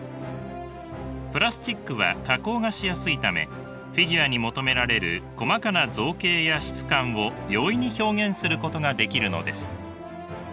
プラスチックは加工がしやすいためフィギュアに求められる細かな造形や質感を容易に表現することができるのです。